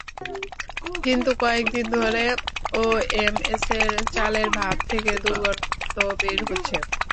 কিন্তু কয়েক দিন ধরে ওএমএসের চালের ভাত থেকে দুর্গন্ধ বের হচ্ছে।